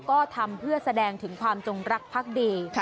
ก็ทำเพื่อแสดงถึงความจงรักพักดี